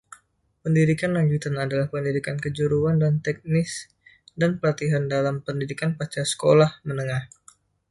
Pendidikan lanjutan adalah pendidikan kejuruan dan teknis dan pelatihan dalam pendidikan pasca-sekolah menengah.